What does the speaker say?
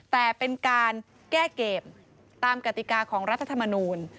แต่เป็นการแก้เกมตามกติกาของรัฐธรรมนูล